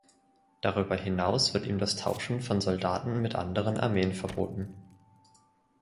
Darüber hinaus wird ihm das Tauschen von Soldaten mit anderen Armeen verboten.